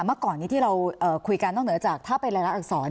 เมื่อก่อนนี้ที่เราคุยกันนอกเหนือจากถ้าเป็นรายละอักษร